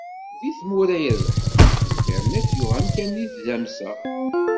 Di tmura irebḥen, internet yuɣ amkan di tdamsa.